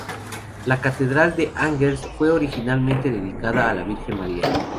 La catedral de Angers fue originalmente dedicada a la Virgen María.